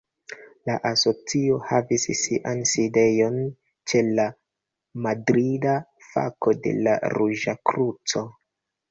La asocio havis sian sidejon ĉe la madrida fako de la Ruĝa Kruco.